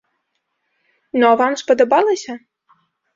Ну а вам спадабалася?